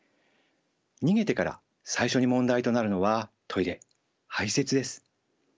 逃げてから最初に問題となるのはトイレ排泄です。